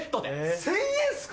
１０００円っすか？